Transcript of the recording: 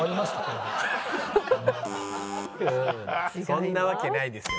そんなわけないですよ。